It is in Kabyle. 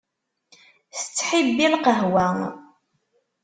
Tettḥibbi lqahwa.